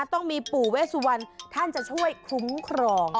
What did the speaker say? ต้องมีปู่เวสุวรรณท่านจะช่วยคุ้มครอง